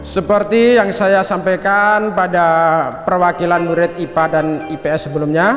seperti yang saya sampaikan pada perwakilan murid ipa dan ips sebelumnya